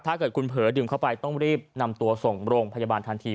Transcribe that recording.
ถ้าเกิดคุณเผลอดื่มเข้าไปต้องรีบนำตัวส่งโรงพยาบาลทันที